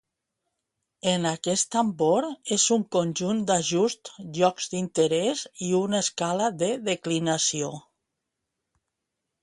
En aquest tambor és un conjunt d'ajust llocs d'interès i una escala de declinació.